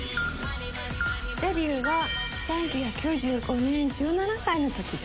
デビューは１９９５年１７歳の時です。